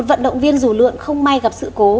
vận động viên dù lượn không may gặp sự cố